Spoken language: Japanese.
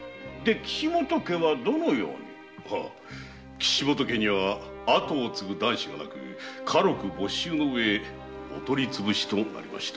岸本家には跡を継ぐ男子はなく家禄没収のうえお取り潰しとなりました。